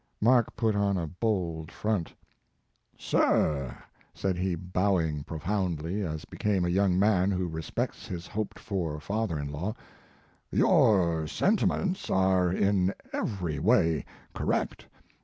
Mark put on a bold front. "Sir," said he, bowing profoundly, as became a young man who respects his hoped for father in law, "your sentiments are in every way correct.